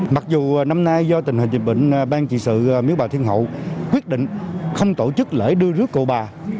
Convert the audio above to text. mặc dù năm nay do tình hình dịch bệnh ban trị sự miếu bà thiên hậu quyết định không tổ chức lễ đưa rước cậu bà